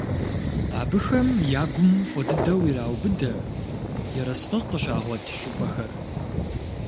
Абыхэм я гум фӀы дыдэу ираубыдэ ерыскъы къыщагъуэт щӀыпӀэхэр.